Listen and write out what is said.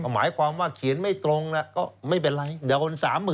หมายความว่าเขียนไม่ตรงก็ไม่เป็นไรเดี๋ยวคน๓๐๐๐๐ปรับ